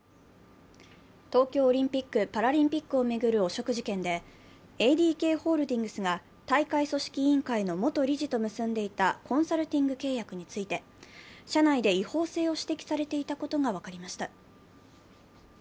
東京オリンピック・パラリンピックを巡る汚職事件でＡＤＫホールディングスが大会組織委員会の元理事と結んでいたコンサルティング契約について社内で違法性を指摘されていたことが分かりました。